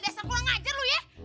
dasar gue ngajar lu ya